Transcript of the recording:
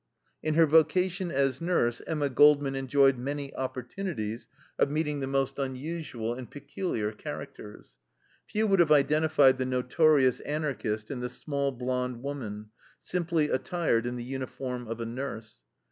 In her vocation as nurse Emma Goldman enjoyed many opportunities of meeting the most unusual and peculiar characters. Few would have identified the "notorious Anarchist" in the small blonde woman, simply attired in the uniform of a nurse.